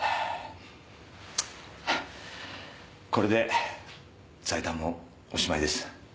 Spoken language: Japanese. これで財団もおしまいです。